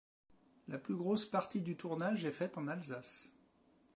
La plus grosse partie du tournage est faite en Alsace.